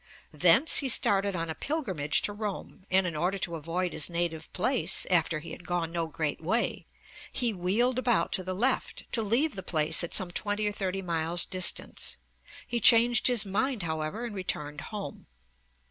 Thence he started on a pilgrimage to Rome, and in order to avoid his native place, after he had gone no great way, 'he wheeled about to the left, to leave the place at some twenty or thirty miles distance' (p. 101). He changed his mind, however, and returned home.